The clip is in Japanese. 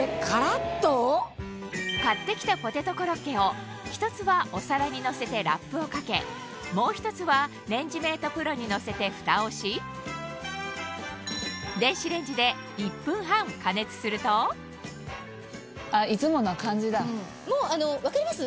買ってきたポテトコロッケを１つはお皿にのせてラップをかけもう１つはレンジメートプロにのせてフタをしもう分かります？